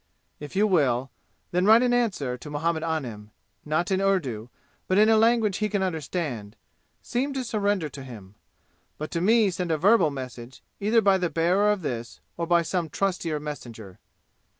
"If you will, then write an answer to Muhammad Anim, not in Urdu, but in a language he can understand; seem to surrender to him. But to me send a verbal message, either by the bearer of this or by some trustier messenger.